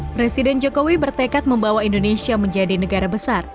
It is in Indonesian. presiden jokowi bertekad membawa indonesia menjadi negara besar